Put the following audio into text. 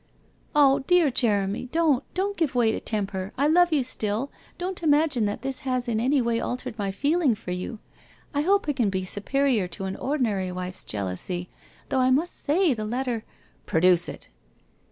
•' Oh, dear Jeremy, don't, don't give way to temper ! I love you still — don't imagine that this has in any way altered my feeling for you. I hope I can be superior to an ordinary wife's jealousy, though I must say, the let ter '' Produce it